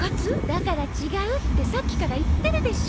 だから違うってさっきから言ってるでしょ。